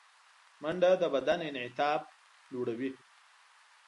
منډه د بدن انعطاف لوړوي